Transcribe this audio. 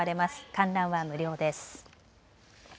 観覧は無料です。